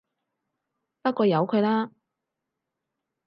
不過由佢啦